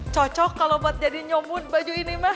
cocok kalau buat jadi nyomut baju ini mas